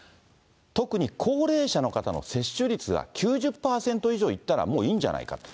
特に高齢者の方の接種率が９０％以上いったら、もういいんじゃないかと。